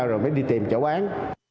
rồi mới đi tìm chỗ bán